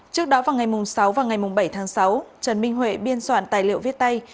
trước đó vào ngày sáu và ngày bảy tháng sáu trần minh huệ biên soạn tài liệu viết tay